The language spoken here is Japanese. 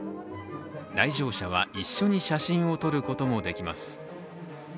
来場者は一緒に写真を撮ることもできます。